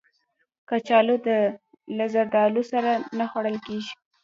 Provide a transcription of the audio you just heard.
کچالو له زردالو سره نه خوړل کېږي